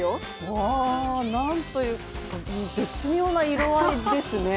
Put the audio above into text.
わ何というか、絶妙な色合いですね。